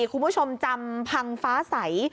คุณผู้ชมจำพังฟ้าใส